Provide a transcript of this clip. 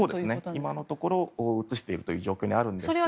今のところ移しているという状況にあるんですが。